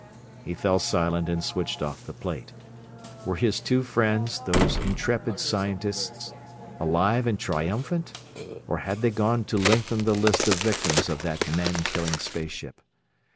He fell silent and switched off the plate. Were his two friends, those intrepid scientists, alive and triumphant, or had they gone to lengthen the list of victims of that man killing space ship?